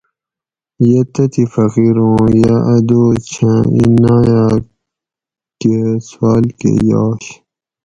یہ تتھیں فقیر اُوں یہ اۤ دوس چھاۤں اِیں ناۤیاۤک کہ سواۤل کہ یاش